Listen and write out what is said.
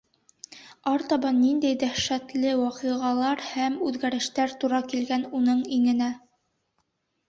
Артабан ниндәй дәһшәтле ваҡиғалар һәм үҙгәрештәр тура килгән уның иңенә.